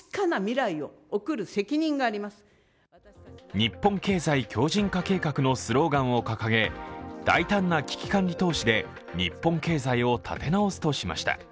日本経済強じん化計画のスローガンを掲げ大胆な危機管理投資で日本経済を立て直すとしました。